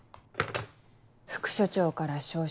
副署長から招集